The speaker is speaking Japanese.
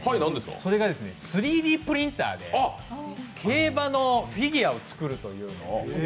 それが３Ｄプリンターで競馬のフィギュアを作るという。